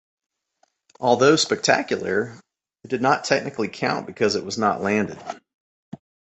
Although spectacular, it did not technically count because it was not landed.